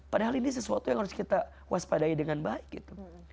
padahal ini sesuatu yang harus kita waspadai dengan baik gitu